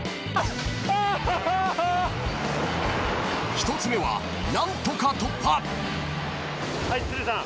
［１つ目は何とか突破］